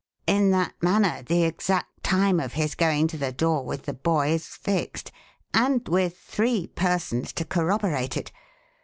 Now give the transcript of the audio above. In that manner the exact time of his going to the door with the boy is fixed, and with three persons to corroborate it.